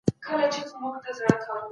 د مغولو کړنو ناوړه پايلي درلودي.